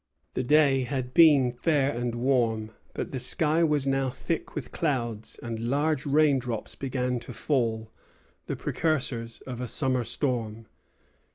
The day had been fair and warm; but the sky was now thick with clouds, and large rain drops began to fall, the precursors of a summer storm.